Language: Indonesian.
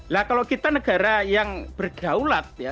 lah kalau kita negara yang bergaulat ya